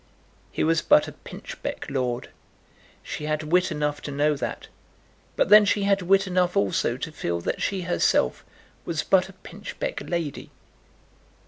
He was but a pinchbeck lord. She had wit enough to know that; but then she had wit enough also to feel that she herself was but a pinchbeck lady.